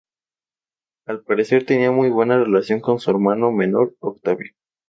Al parecer tenía muy buena relación con su hermano menor Octavio.